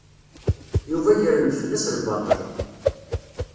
Yuba gren-d fell-as lbaṭel.